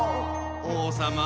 おうさま